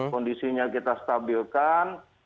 kondisinya kita stabilkan